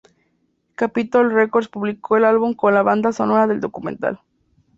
Capitol Records publicó un álbum con la banda sonora del documental.